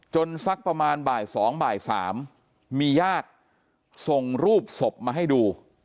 สักประมาณบ่าย๒บ่าย๓มีญาติส่งรูปศพมาให้ดู